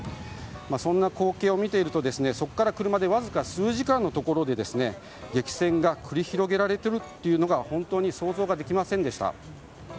そんな光景を見ているとそこから車でわずか数時間のところで激戦が繰り広げられているというのが本当に想像できませんでした。